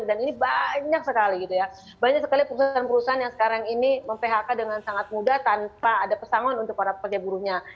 dan ini banyak sekali banyak sekali perusahaan perusahaan yang sekarang ini mem phk dengan sangat mudah tanpa ada pesangon untuk para pekerja buruhnya